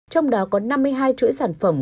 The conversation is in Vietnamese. trong đó có năm mươi hai chuỗi sản phẩm